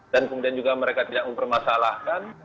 dan kemudian juga mereka tidak mempermasalahkan